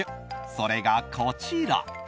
それがこちら。